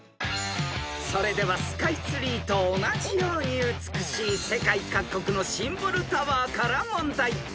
［それではスカイツリーと同じように美しい世界各国のシンボルタワーから問題］